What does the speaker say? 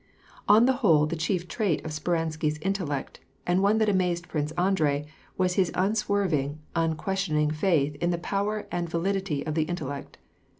On the whole, the chief trait of Speransky's intellect, and one that amazed Prince Andrei, was his unswerving, unques tioning faith in the power and validity of the intellect.